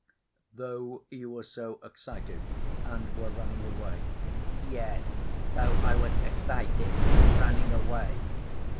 "Though you were so excited and were running away?" "Yes, though I was excited and running away."